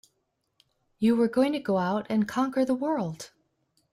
You were going to go out and conquer the world!